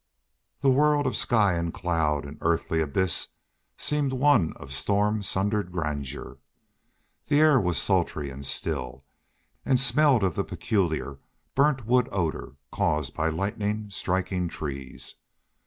The world of sky and cloud and earthly abyss seemed one of storm sundered grandeur. The air was sultry and still, and smelled of the peculiar burnt wood odor caused by lightning striking trees.